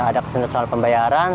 ada kesen kesen soal pembayaran